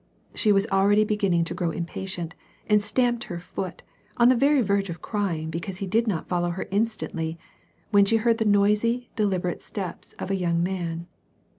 She was already beginning to grow impatient, and stamped her foot, on the very verge of crying because he did not fol low her instantly, when she heard the noisy, deliberate steps of a young man.